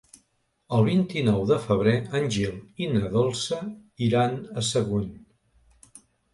El vint-i-nou de febrer en Gil i na Dolça iran a Sagunt.